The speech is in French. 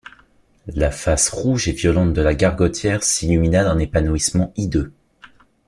La face rouge et violente de la gargotière s’illumina d’un épanouissement hideux.